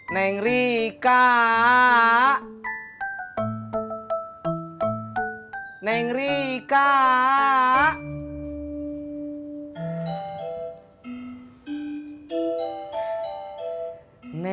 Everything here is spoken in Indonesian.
neng rika gak jawab